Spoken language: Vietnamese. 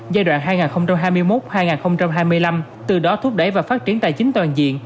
giai đoạn hai nghìn hai mươi một hai nghìn hai mươi năm từ đó thúc đẩy và phát triển tài chính toàn diện